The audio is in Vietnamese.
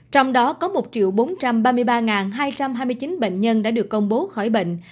trong đó có một bốn trăm ba mươi ba hai trăm hai mươi chín bệnh nhân đã được công bố khỏi bệnh